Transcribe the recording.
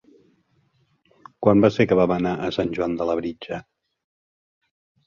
Quan va ser que vam anar a Sant Joan de Labritja?